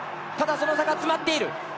ただ、その差が詰まっている。